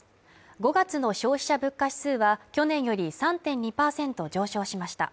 ５月の消費者物価指数は、去年より３．２％上昇しました。